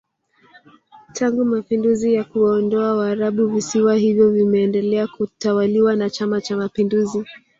Tangu Mapinduzi ya kuwaondoa waarabu visiwa hivyo vimeendelea kutawaliwa na chama cha mapinduzi